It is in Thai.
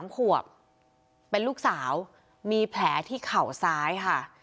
๓ขวบเป็นลูกสาวมีแผลที่เข่าซ้ายค่ะ